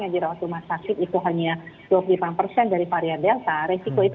dia lebih cepat agresif